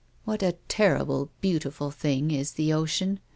" What a terrible, beautiful thing is the ocean